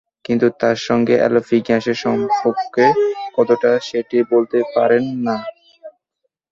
কিন্তু তার সঙ্গে এলপি গ্যাসের সম্পর্ক কতটা, সেটি বলতে পারেন না।